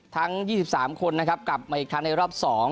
ทั้ง๒๓คนกลับไปอีกครั้งในรอบ๒